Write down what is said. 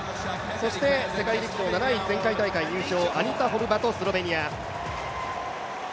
そして世界陸上７位前回大会入賞、アニタ・ホルバト、スロベニア。